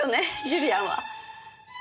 ジュリアンは。